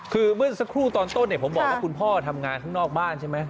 คือเมื่อสักครู่ตอนต้นเนี่ยผมบอกว่าคุณพ่อทำงานข้างนอกบ้านใช่ไหม